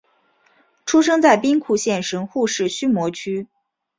出生在兵库县神户市须磨区。